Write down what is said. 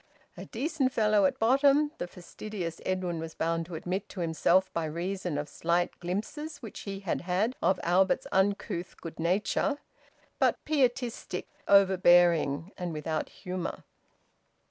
"A decent fellow at bottom," the fastidious Edwin was bound to admit to himself by reason of slight glimpses which he had had of Albert's uncouth good nature; but pietistic, overbearing, and without humour.